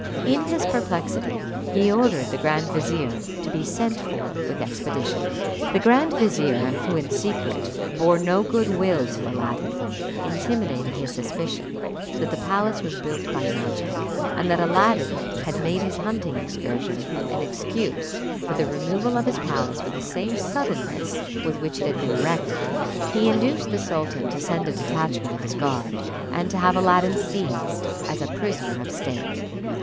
In his perplexity he ordered the grand vizier to be sent for with expedition. The grand vizier, who, in secret, bore no good will to Aladdin, intimated his suspicion that the palace was built by magic, and that Aladdin had made his hunting excursion an excuse for the removal of his palace with the same suddenness with which it had been erected. He induced the sultan to send a detachment of his guard, and to have Aladdin seized as a prisoner of state.